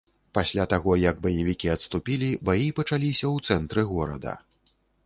Пасля таго, як баевікі адступілі, баі пачаліся ў цэнтры горада.